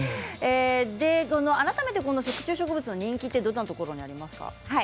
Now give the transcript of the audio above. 改めて食虫植物の人気はどんなところに、ありますか。